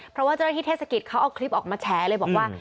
เพราะว่าเจ้าต้านไทยเทสกิลเค้าเอาคลิปออกมาแชร์เลยว่า